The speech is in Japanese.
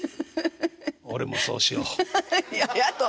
俺もそうしよう。